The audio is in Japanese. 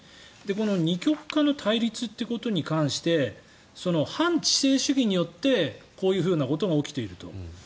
この二極化の対立ということに関して反知性主義によってこういうことが起きていると。